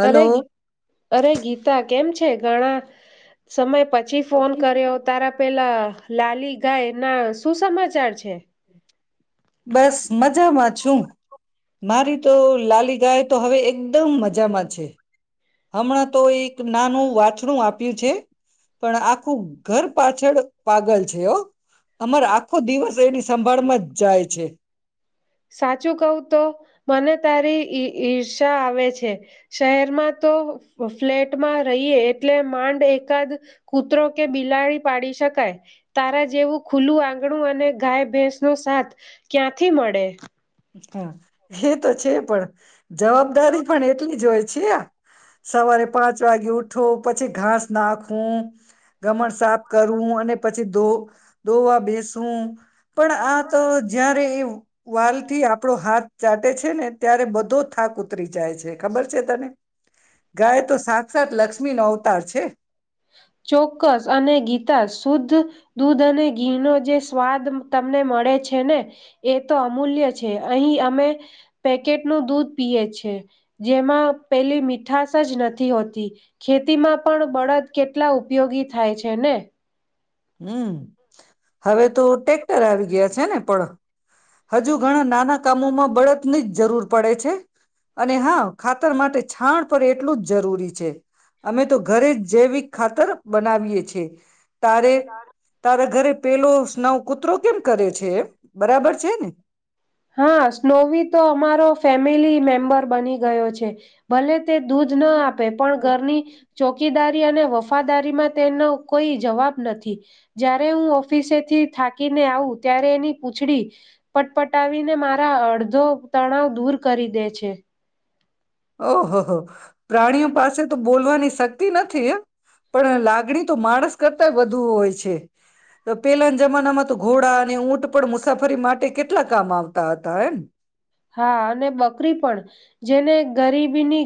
Hello અરેી અરે ગીતા કેમ છે ઘણા સમય પછી ફોન કર્યો તારા પેલા લાલી ગાય ના શું સમાચાર છે. બસ મજામાં છું. મારી તો લલી ગાય તો હવે એકદમ મજામાં છે. હમણાં તો એક નાનું વાંછણું આપે આપ્યું છે પણ આખું ઘર પાછળ પાગલ છે એ અમારે આખો દિવસ એની સંભાળમાં જ જાય છે. સાચું કવ તો મને તારીઈ ઈર્ષા આવે છે શહેરમાં તો ફ્લેટમાં રહીયએ એટલે માંડ એકાદ કૂતરો કે બિલાડી પાડી શકાય તારા જેવું ખુલ્લું આંગણું અને ગાય ભેંસ નો સાથ ક્યાંથી મળે હા એ તો છે પણ જવાબદારી પણ એટલી જ હોય છે છી સવારે પાંચ વાગે ઉઠો પછી ઘાસ નાખું ગમણ સાફ કરવું અને પછી ધો ધોવા બેસવું પણ આ તો જયારે એ વાલ. આપણો હાથ ચાટે છે ને ત્યારે બધો થાક ઉતરી જાય છે ખબર છે તને. ગાય તો સાક્ષ સાાત લક્ષ. લક્ષ્મી નો અવતાર છે. ચોક્કસ અને ગીતા શુદ્ધ દૂધ અને ઘીનો જે સ્વાદ તમને મળે છે ને એ તો અમૂલ્ય છે અહીં અમે પેકેટનું દૂધ પીએ છે જેમાં પેલી મીઠશ જ નથી હોતી ખેતીમાં પણ બળદ. કેટલા ઉપયોગી થાય છે ને. હમ હવે તો ટેક્ટર આવી ગયા છે ને પણ. હજુ ઘણા નાના. કામોમાં બળદની જ જરૂર પડે છે. અને હા ખાતર માટે છાણ પર. એટલું જ જરૂરી છે. અમે તો ઘરે જ જેૈવીિક. ખાતર બનાવીએ છીઍ તારે તારા ઘરે પેલો સ્નાવ કુતરો કેમ. કરે છે. બરાબર. ને હા સ્નોવી તો અમારો. ફેમિલી મેમ્બર બની ગયો છે ભલે. દૂધ ના આપે પણ ઘરની. ચોકીદારી અને વફાદારીમાં તેનો કોઈ જવાબ નથી જ્યારે હું ઓફિસેથી થાકીને આવું ત્યારે એની. પૂછડી પટપટાવીને મારા અડધો તણાવ દૂર કરી દે છે. ઓહહ. પ્રાણીઓ પાસે તો. બોલવાની શક્તિ નથી એ. પણ લાગણી તો માણસ કરતા વધુ હોય છે. તો પેલાના જમાનામાં તો ઘોડા અને ઊંટ પણ મુસાફરી માટે કેટલા કામ આવતા હતા એમ. હા અને બકરી પણ જેને ગરીબીની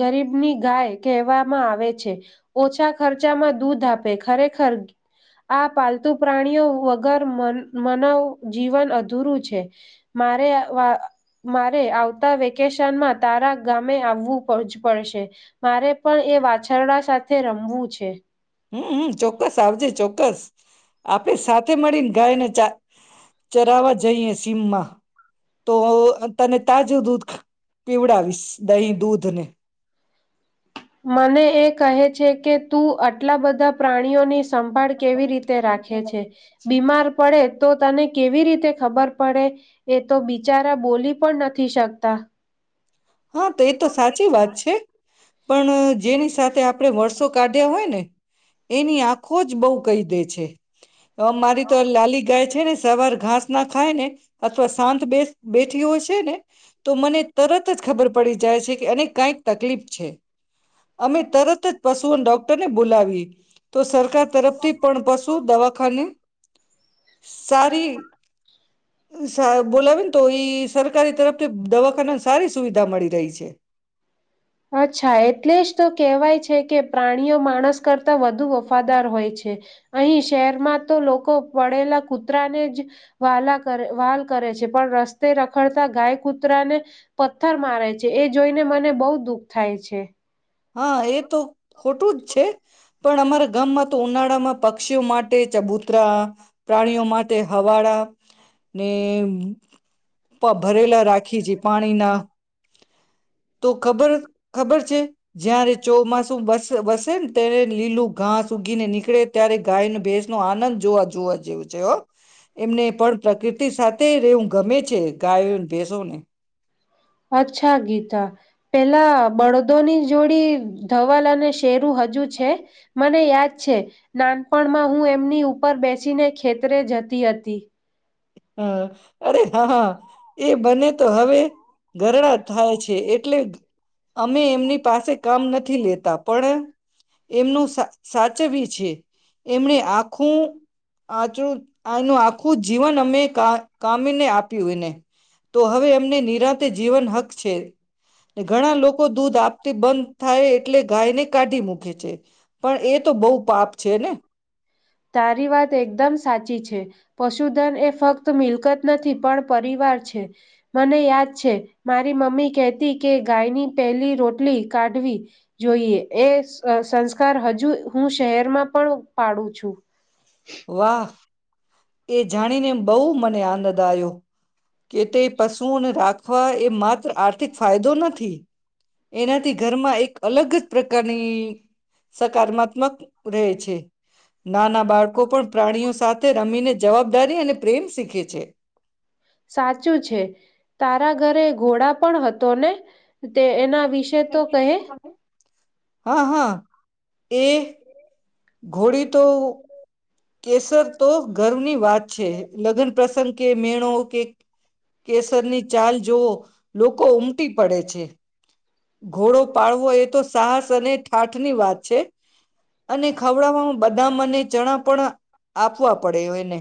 ગરીબની ગાય કહેવામાં આવે છે ઓછા ખર્ચામાં દૂધ આપે ખરેખર આ પાલતુ પ્રાણીઓ વગર મનવ જીવન અધૂરું છે મારે. મારે આવતા વેકેશનમાં તારા ગામે આવવું પડશે મારે પણ એ વાછરડા સાથે રમવું છે. હમમ ચોક્કસ આવજે ચોક્કસ આપે સાથે મળીને ગાય ને ચા. ચરાવા જઈએ સીમમાં. તો તને તાજું દૂધ પીવડાવીશ દહીં દૂધ ને. મને એ કહે છે કે તું આટલા બધા પ્રાણીઓની સંભાળ કેવી રીતે રાખે છે બીમાર પડે તો તને કેવી રીતે ખબર પડે એ તો બિચારા બોલી પણ નથી શકતા. હા તો એ તો સાચી વાત છે પણ જેની સાથે આપ. મો કાઢ્યા હોય ને એની આંખો જ બહ કહી દે છે મારી તો લલી ગાય છે. છે ને સવાર ઘાસ ના ખાય ને અથવા શાંત બે બેઠી હોય છે ને તો મને તરત પડી જાય છે કે એને કઈક તકલીફ છે. અમે તરત જ પશુઓ ડોક્ટરને બોલાવી તો સરકાર તરફથી પણ પશુ દવાખાને સારી બોલાવેને તો ઈ સરકારી તરફથી દવાખાના સુવિધા મળી રહી છે. અચ્છા એટલે જ તો કેહેવાય છે કે પ્રાણીઓ માણસ કરતા વધુ વફાદાર હોય છે અહી શહેરમાં તો લોકો પડેલા કૂતરાને જ વલા કરે વહલ કરે છે પણ રસ્તે રખડતા ગાય કૂતરાને પથ્થર મારે છે એ જોઈને મને બહુ દુઃખ થાય છે. હા એ તો ખોટું જ છે પણ અમારા ગામમાં તો ઉનાળા માં પક્ષીઓ માટે ચબૂતરા પ્રાણીઓ માટે હવા. [inaudible] ને ભરેલા રાખી છે પાણીના તો ખબર ખબર છે. જયારે ચોમાસું બસે ને ત્યારે લીલું ઘાસ સુ ઉગી ને નીકળે ત્યારે ગાયને ભેસ ન આનંદ જોઅ જોઅ‌‌ જેવું છે. એમને પણ પ્રકૃતિ સાથે રહેવું ગમે છે ગાયો ભેસો. અચ્છા ગીતા પેલા બળદોની જોડી ધવલ અને શેરુ હજુ છે મને યાદ છે નાનપણમાં હું એમની ઉપર બેસીને ખેતરે જ તી હતી. હા અરે હા એ બને તો હવે ઘરડા થાય છે એટલે અમે એમની પાસે કામ નથી લેતા પણ એમનું સાચવી છે એમને આખું આ જો આનું આખું જીવન અમે કા કામીને આપ્યું એને તો હવે એમને નિરાંત જીવન હક છે. ઘણા લોકો દૂધ આપતી બંધ થાય એટલે ગાય કાઢી મુખી છે. પણ એ તો બહુ પાપ છે ને. તારી વાત એકદમ સાચી છે પશુધન એ ફક્ત મિલકત નથી પણ પરિવાર છે મને યાદ છે મારી મમ્મી કહેતી કે ગાયની પહેલી રોટલી કાઢવી જોઈએ એ સંસ્કાર હજુ હું શહેરમાં પણ પાડું છું. વાહ એ જાણીને બહુ મને આનંદ આવ્યો કે તે પશુઓને રાખવા એ માત્ર આર [unintelligible] ફાયદો નથી એનાથી ઘરમાં એક અલગ જ પ્રકારની સકારમાત્મક રહે છે. નાના બાળકો પણ પ્રાણીઓ સાથે રમીને જવાબદારી અને પ્રેમ શીખે છે. સાચું છે તારા ઘરે ઘોડા પણ હતો ને તે એના વિશે તો કહે હા હા. એ ઘોડી તો કેસર તો ગર્વની વાત છે લગ્ન પ્રસંગ કે મેણ નો ઓકે. કેસરની ચાલ જોવો લોકો ઉમટી પડે છે. ઘોડો પાડવો એ તો સાહસ અને ઠાઠ ની વાત છે અને ખવડાવવામા બધા મને જણા પણ આપવા પડે [unintelligible] એને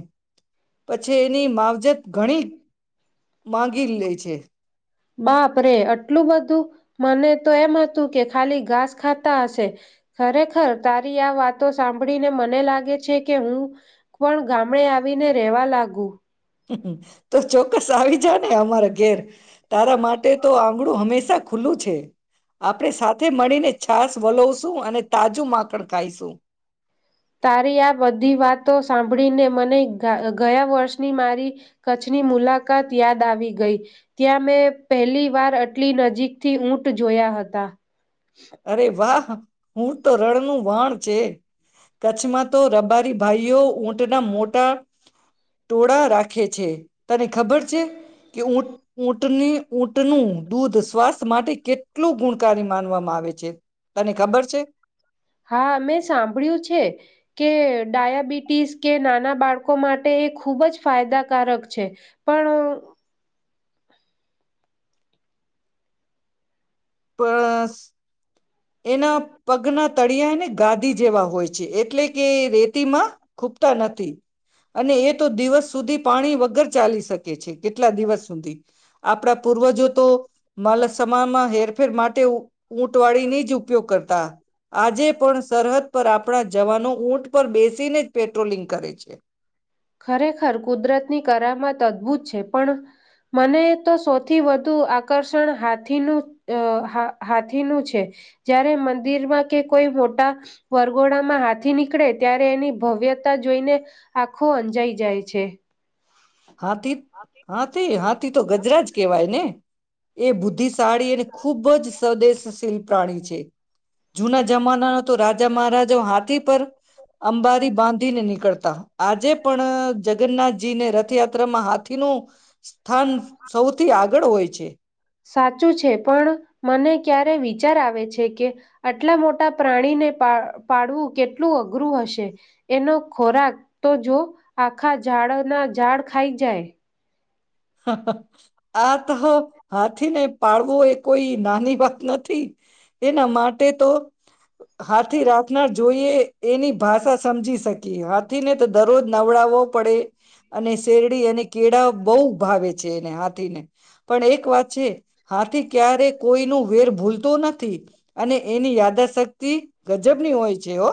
પછી એની માવજત ઘણી માંગી લે છે. બાપ રે આટલું બધું મને તો એમ હતું કે ખાલી ઘાસ ખાતા હશે ખરેખર તારી આ વાતો સાંભળીને મને લાગે છે કે હું પણ ગામડે આવીને રેવા લાગુ. તો છોક બસ આવી જા ને અમારા ઘેર તારા માટે તો આંગણું હંમેશા ખુલ્લું છે આપણે સાથે મળીને છાસ વલોવશું અને તાજું માખણ ખાઈશું. તારી આ બધી વાતો સાંભળીને મને ગયા વર્ષની મારી કચ્છની મુલાકાત યાદ આવી ગઈ ત્યાં મેં પહેલી વાર આટલી નજીકથી ઊંટ જોયા હતા. અરે વાહ. ઊંટ તો રણનું વાહણ છે. કચ્છમાં તો રબારી ભાઈઓ ઊંટ ના મોટા ટોળા રાખે છે તને ખબર છે કે ઊંટ ઊંટની ઊંટનું દૂધ સ્વાસ્થ માટે કેટલું ગુણકારી માનવામાં આવે છે જે હા મેં સાંભળ્યું છે કે ડાયાબિટીસ કે નાના બાળકો માટે એ ખૂબ જ ફાયદાકારક છે પણ પસ એના પગના તળિયાને ગાદી જેવા હોય છે એટલે. કે રેતીમાં ખૂબતા નથી અને એ તો દિવસ સુધી પાણી વગર ચાલી શકે છે કેટલા દિવસ સુધી આપણા પૂર્વજો તો માલ સમામાં હેરફેર માટે ઉ ઊંટવાળી ની ઉપયોગ કરતા આજે પણ સરહદ પર આપણા જવાનો ઊંટ પર બેસીને પેટ્રોલિંગ કરે છે. અદભુત છે પણ મને તો સૌથી વધુ આકર્ષણ હાથીનું હાથીનું છે જય્યારે મંદિરમાં કે કોઈ મોટા વરગોડામાં હાથી નીકળે ત્યારે એની ભવ્યતા જોઈને આખો અંજાઈ જાય છે. હાથી હાથી હાથી તો ગજરાજ કેવાય ને. એ બુદ્ધિશાળી અને ખૂબ જ સ્વદેશશીલ પ્રાણી છે જૂના જમાનાનો તો રાજા મહારાજા હાથી પર અંબારી બાંધીને નીકળતા. આજે પણ જગન્નાથજીને રથ યાત્રા મહ હાથીનું સ્થાન સૌથી આગળ હોય છે. સાચું છે પણ મને ક્યારે વિચાર આવે છે કે આટલા મોટા પ્રાણીને પાડવું કેટલું અઘરું હશે એનો ખોરાક તો જો આખા ઝાડ ના ઝાડ ખાઈ જાય. આ તો હાથીને પાળવો એ કોઈ નાની વાત નથી એના માટે તો હાથથી રાત ના જોઈ એની ભાષા સમજી શકી હાથીને તો દરરોજ નવડાવવો પડે અને શેરડી અને કેળા બહુ વેચે એને હાથ ને પણ એક વાત છે હાથી ક્યારે કોઈનું વેર ભૂલતો નથી. અને એની યાદાશક્તિ ગજબની હોય છે હો.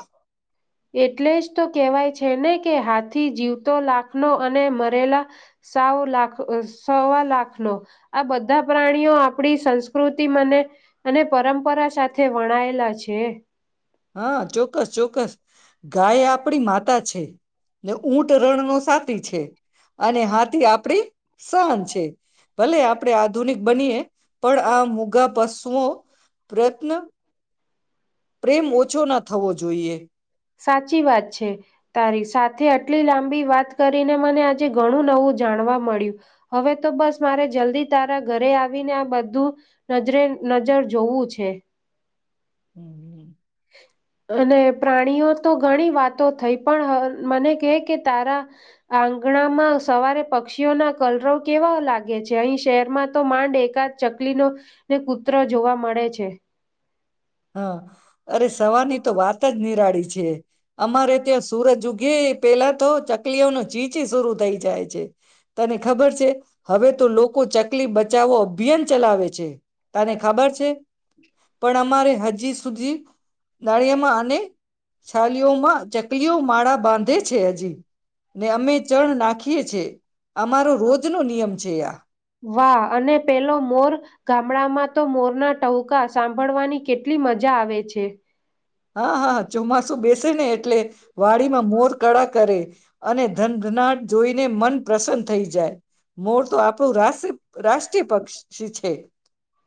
એટલે જ તો કેહેવાય છે ને કે હાથી જીવતો લાખનો અને મરેલા સાવ લાખ સવા લાખનો આ બધા પ્રાણીઓ આપણી સંસ્કૃતિ મને અને પરંપરા સાથે વણાયેલા છે. હા ચોક્કસ ચોક્કસ. ગાય આપડી માતા છે ને ઊંટ રણનો સા છે અને હાથી આપડી સહન છે ભલે આપણેે આધુનિક બનીએ પણ આ મુગા પસ હું પ્રયત્ન પ્રેમ ઓછો ના થવો જોઈએ. સાચી વાત છે તારી સાથે આટલી લાંબી વાત કરીને મને આજે ઘણું નવું જાણવા મળ્યું હવે તો બસ મારે જલ્દી તારા ઘરે આવીને આ બધું નજરે નજર જોવું છે. હમ. અને પ્રાણીઓ તો ઘણી વાતો થઈ પણ મને કે કે તારા આંગણામાં સવારે પક્ષીઓના કલરવ કેવા લાગે છે અહીં શહેરમાં તો માંડ એકાદ ચકલીનો ને કૂતરો જોવા મળે છે. હા અરે સવારની તો વાત જ નિરાળી છે અમારે ત્યાં સુરજ ઉગી ગ પેલા તો ચ કલીઓ ન ચીચી શરૂ થઈ. છે તને ખબર છે હવે તો લોકો ચકલી બચાવો અભિયાન ચલાવે છે. તને ખબર છે પણ અમારે સુજી દાળિયામાં અને છલીઓમાં ચકલીઓ માળા બાંધે છે હજી. ને અમે ચણ નાખીએ અમારો રોજનો નિયમ છે આ. વાહ અને પેલો મોર ગામડામાં તો મોરના ટવકા સાંભળવાની કેટલી મજા આવે છે. હા હા હ ચોમાસું બેસ ને એટલે વાડી માં મોર કળા કરે અને ધનના જોઈને મન પ્રસન્ન થઈ જાય. મોળ તો આપણું રાષ્ટ રાષ્ટ્રીય પક્ષ છે.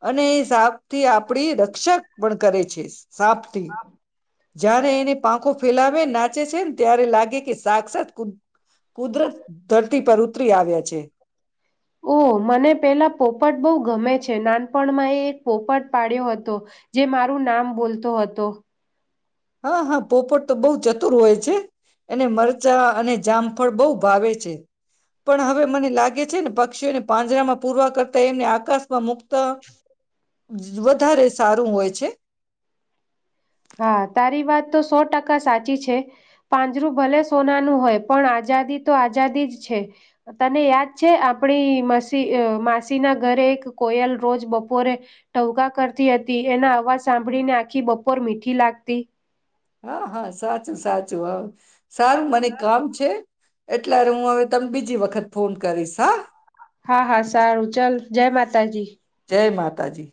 અને એ હિસાબ થી આપ આપડી રક્ષક પણ કરે છે સાપ થી. જ્યારે એને પાંખો ફેલાવે નાચે છે. ત્યારે લાગે કે સાક્ષાત કુ કુદરત ધરતી પર ઉતરી આવ્યા છે. ઓ મને પેલા પોપટ બહુ ગમે છે નાનપણમાં એ એક પોપટ પાડ્યો હતો જે મારું નામ બોલતો હતો. હા હા પોપોટ તો બહુ ચતુર હોય છે. એને મરચાં અને જામફળ બહુ ભાવે છે. પણ હવે મને લાગે છે ને પક્ષીઓને પાજરામાં પૂરવા કરતા તેમમને આકાશમાં મુક્ત તો વધારે સારું હોય છે. હા તારી વાત તો સો ટકા સાચી છે પાંજરું ભલે સોનાનુંું હોય પણ આઝાદી તો આઝાદી જ છે તને યાદ છે આપણી માસી માસીના ઘરે એક કોયલ રોજ બપોરે ટવકા કરતી હતી એના અવાજ સાંભળીને આખી બપો ઉપ મીઠી લાગતી. હા હા સાચું સાચું હ. સાર મને કામ છે એટલે હું હવે તમે બીજી વખત વખત ફોન કરીશ હા. હા હા સારું ચલ જય માતાજી. જય માતાજી.